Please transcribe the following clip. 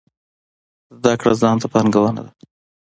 زده کړه ځان ته پانګونه ده